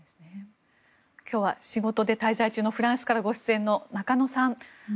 今日は仕事で滞在中のフランスからご出演の中野さん